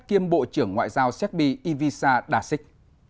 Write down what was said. kiêm bộ trưởng ngoại giao séc bi ivisa dasik